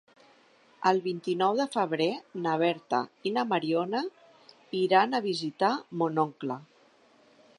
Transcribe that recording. El vint-i-nou de febrer na Berta i na Mariona iran a visitar mon oncle.